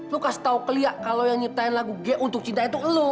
lo kasih tahu ke lia kalau yang niptain lagu g untuk cinta itu lo